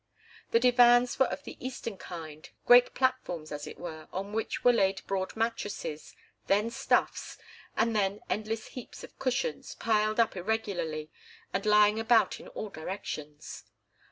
The divans were of the Eastern kind great platforms, as it were, on which were laid broad mattresses, then stuffs, and then endless heaps of cushions, piled up irregularly and lying about in all directions.